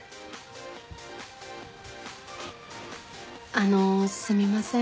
あのすみません。